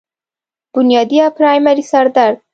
بنيادي يا پرائمري سر درد